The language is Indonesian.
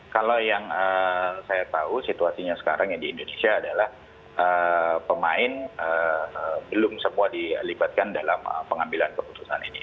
kalau yang saya tahu situasinya sekarang yang di indonesia adalah pemain belum semua dilibatkan dalam pengambilan keputusan ini